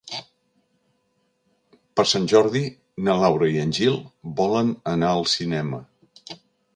Per Sant Jordi na Laura i en Gil volen anar al cinema.